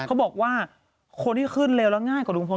เขาบอกว่าคนที่ขึ้นเร็วแล้วง่ายกว่าลุงพล